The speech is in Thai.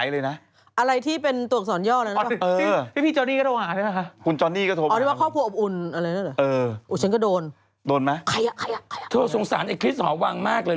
เราต้องมีคนขยี่ไงยังไงพี่มาเล่ามา